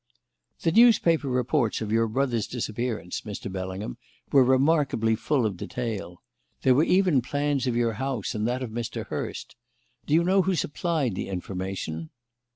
"The newspaper reports of your brother's disappearance, Mr. Bellingham, were remarkably full of detail. There were even plans of your house and that of Mr. Hurst. Do you know who supplied the information?"